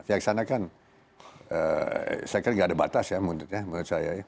pihak sana kan saya kira nggak ada batas ya menurut saya